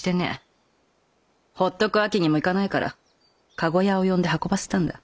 ほっとく訳にもいかないから駕籠屋を呼んで運ばせたんだ。